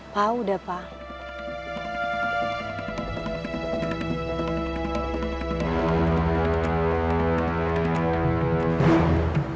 pak sudah pak